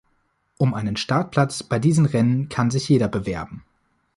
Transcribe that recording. Um einen Startplatz bei diesen Rennen kann sich jeder bewerben.